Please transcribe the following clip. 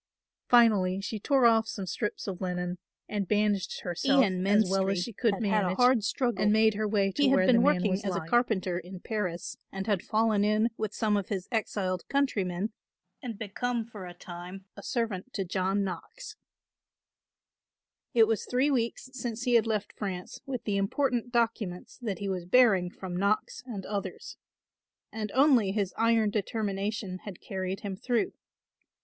Finally she tore off some strips of linen and bandaged herself as well as she could manage and made her way to where the man was lying. Ian Menstrie had had a hard struggle. He had been working as a carpenter in Paris and had fallen in with some of his exiled countrymen and become for a time a servant to John Knox. It was three weeks since he had left France with the important documents that he was bearing from Knox and others; and only his iron determination had carried him through.